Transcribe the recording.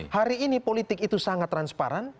hari ini politik itu sangat transparan